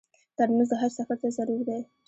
ترموز د حج سفر ته ضرور دی.